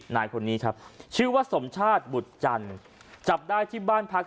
นายคนนี้ครับชื่อว่าสมชาติบุตรจันทร์จับได้ที่บ้านพัก